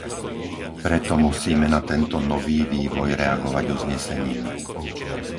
Preto musíme na tento nový vývoj reagovať uznesením.